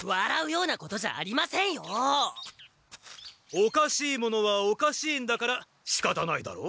おかしいものはおかしいんだからしかたないだろう。